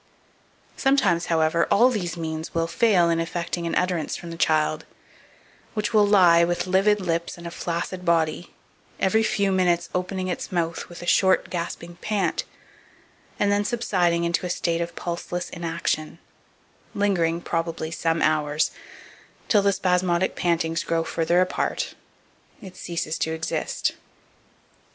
Sometimes, however, all these means will fail in effecting an utterance from the child, which will lie, with livid lips and a flaccid body, every few minutes opening its mouth with a short gasping pant, and then subsiding into a state of pulseless inaction, lingering probably some hours, till the spasmodic pantings growing further apart, it ceases to exist.